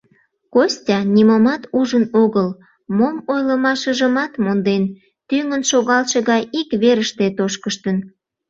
Костя нимомат ужын огыл, мом ойлымашыжымат монден, тӱҥын шогалше гай ик верыште тошкыштын.